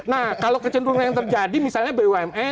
nah kalau kecenderungan yang terjadi misalnya bumn